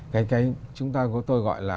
cái cái chúng ta có tôi gọi là